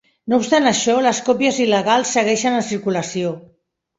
No obstant això, les còpies il·legals segueixen en circulació.